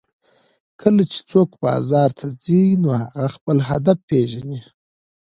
کله چې څوک بازار ته ځي نو هغه خپل هدف پېژني